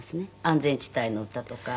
「安全地帯の歌とか」